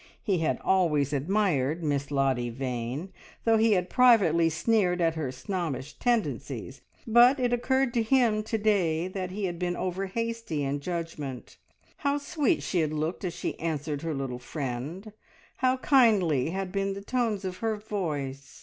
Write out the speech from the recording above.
He had always admired Miss Lottie Vane, though he had privately sneered at her snobbish tendencies, but it occurred to him to day that he had been over hasty in judgment. How sweet she had looked as she answered her little friend, how kindly had been the tones of her voice!